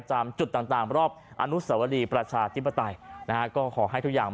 จำจุดต่างรอบอนุสาวรีประชาจิปตาลนะฮะก็ขอให้ทุกอย่าง